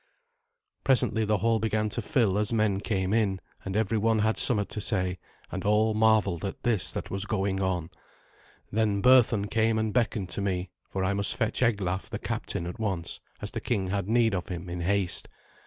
Presently the hall began to fill as men came in, and every one had somewhat to say, and all marvelled at this that was going on. Then Berthun came and beckoned to me, for I must fetch Eglaf the captain at once, as the king had need of him, in haste.